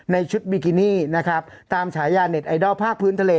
ในชุดบิกินี่นะครับตามฉายาเน็ตไอดอลภาคพื้นทะเล